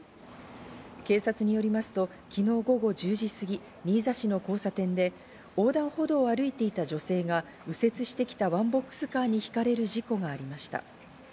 警察によりますと昨日午後１０時過ぎ、新座市の交差点で、横断歩道を歩いていた女性が右折してきたワンボックスカーにひかれる事故がありました。